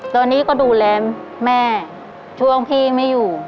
ตอนนี้ก็ดูแลแม่ช่วงพี่ไม่อยู่